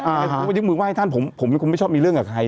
ผมก็ยกมือไหว้ท่านผมไม่ควรชอบมีเรื่องกับใคร